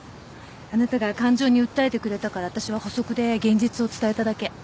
あなたが感情に訴えてくれたから私は補足で現実を伝えただけ。